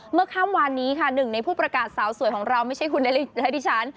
เมื่อค่ำวานนี้ค่ะหนึ่งในผู้ประกาศสาวสวยของเราไม่ใช่คุณหลายฉัน